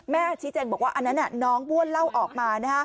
แม่ชี้แจงบอกว่าอันนั้นน้องบ้วนเล่าออกมา